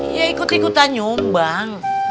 dia ikut ikutan nyumbang